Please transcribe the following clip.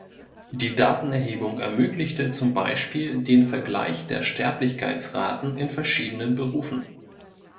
Die Datenerhebung ermöglichte zum Beispiel den Vergleich der Sterblichkeitsraten in verschiedenen Berufen.